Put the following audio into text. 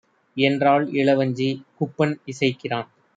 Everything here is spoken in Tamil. என்றாள் இளவஞ்சி. குப்பன் இசைக்கிறான்: